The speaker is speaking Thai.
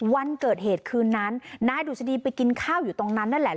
วันเกิดเหตุคืนนั้นนายดุษฎีไปกินข้าวอยู่ตรงนั้นนั่นแหละ